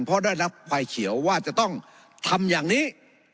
เพราะได้รับควายเขียวว่าจะต้องทำอย่างนี้